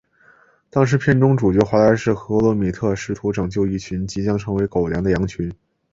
当时片中主角华莱士和格罗米特试图拯救一群即将成为狗粮的羊群。